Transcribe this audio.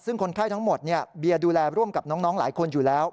ซึ่งคนไข้ทั้งหมดเบียร์ดูแลร่วมกับน้องหลายคนอยู่แล้ว